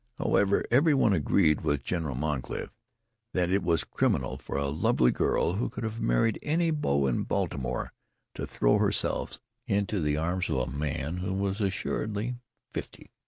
However, every one agreed with General Moncrief that it was "criminal" for a lovely girl who could have married any beau in Baltimore to throw herself into the arms of a man who was assuredly fifty.